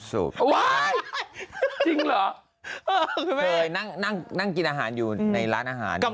ปุ๊บช่วยไปแปะ